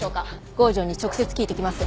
郷城に直接聞いてきます。